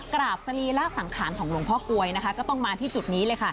สรีระสังขารของหลวงพ่อกลวยนะคะก็ต้องมาที่จุดนี้เลยค่ะ